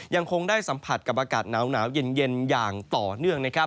ยังคงได้สัมผัสกับอากาศหนาวเย็นอย่างต่อเนื่องนะครับ